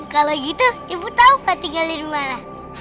kalau gitu ibu tahu gak tinggal di mana